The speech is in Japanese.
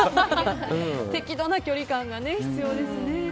適度な距離感が必要ですね。